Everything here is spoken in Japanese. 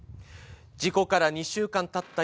事故から２週間たった